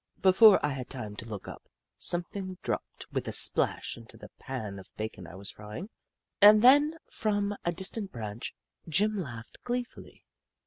Before I had time to look up, som^ething dropped with a splash into the pan of bacon I was fry ing and then, from a distant branch, Jim laughed gleefully.